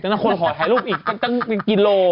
ก็นั่นคนหอดหายรูปอีกก็ตั้งกี่โล